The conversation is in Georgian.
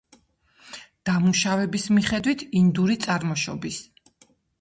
დამუშავების მიხედვით— ინდური წარმოშობის.